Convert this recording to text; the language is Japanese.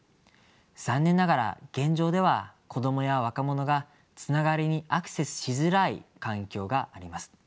残念ながら現状では子どもや若者がつながりにアクセスしづらい環境があります。